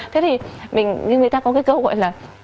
thế thì mình nhưng người ta có cái câu gọi là